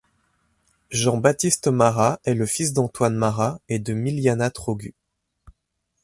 Jean-Baptiste Mara est le fils d'Antoine Mara et de Miliana Trogu.